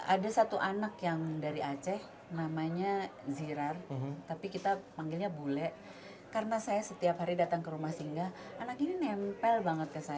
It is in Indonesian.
ada satu anak yang dari aceh namanya zirar tapi kita panggilnya bule karena saya setiap hari datang ke rumah singgah anak ini nempel banget ke saya